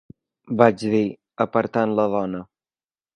vaig dir, apartant la dona.